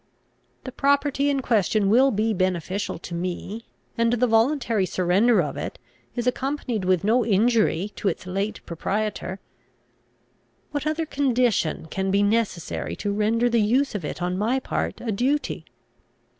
The property in question will be beneficial to me, and the voluntary surrender of it is accompanied with no injury to its late proprietor; what other condition can be necessary to render the use of it on my part a duty?